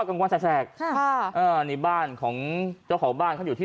อ่ะกรรมความแสกแสกฮ่าอ่านี่บ้านของเจ้าของบ้านเขาอยู่ที่